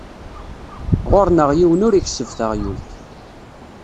Ɣur-neɣ yiwen ur ikesseb taɣyult.